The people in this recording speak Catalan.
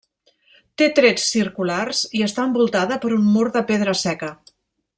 Té trets circulars i està envoltada per un mur de pedra seca.